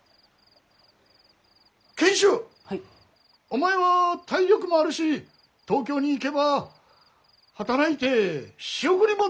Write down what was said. お前は体力もあるし東京に行けば働いて仕送りもできる。